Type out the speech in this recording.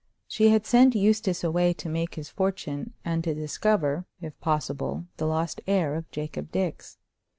She had sent Eustace away to make his fortune, and to discover, if possible, the lost heir of Jacob Dix.